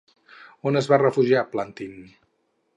On es va refugiar Plantin?